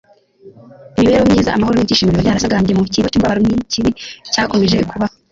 imibereho myiza, amahoro n'ibyishimo biba byarasagambye mu cyimbo cy'umubabaro n'ikibi cyakomeje kubaho